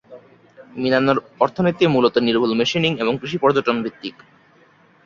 মিনানোর অর্থনীতি মূলত নির্ভুল মেশিনিং এবং কৃষি-পর্যটন ভিত্তিক।